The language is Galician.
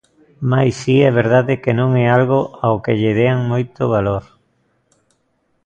Mais si é verdade que non é algo ao que lle dean moito valor.